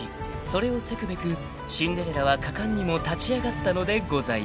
［それをせくべくシンデレラは果敢にも立ち上がったのでございます］